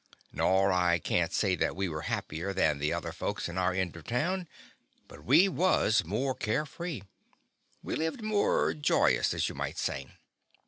Nor I can't say that we were happier than the other folks in our end of town, but we was more care free. We lived more joy ous, as you might say.